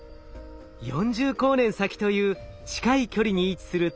４０光年先という近い距離に位置するトラピスト